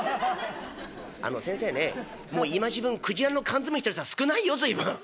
「あの先生ねもう今時分くじらの缶詰知ってる人は少ないよ随分。